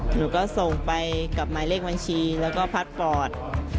หนูก็ส่งไปกับหมายเลขบัญชีแล้วก็พัดปอด